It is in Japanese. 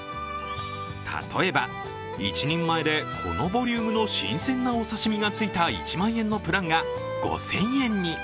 例えば、１人前で、このボリュームの新鮮なお刺身がついた１万円のプランが５０００円に。